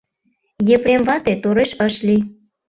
Епрем вате тореш ыш лий.